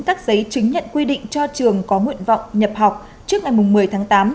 các giấy chứng nhận quy định cho trường có nguyện vọng nhập học trước ngày một mươi tháng tám